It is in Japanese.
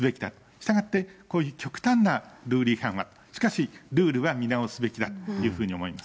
したがって、こういう極端なルール違反は、しかし、ルールは見直すべきだというふうに思います。